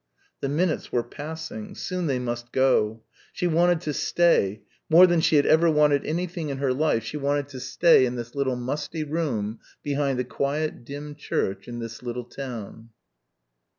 The minutes were passing; soon they must go. She wanted to stay ... more than she had ever wanted anything in her life she wanted to stay in this little musty room behind the quiet dim church in this little town.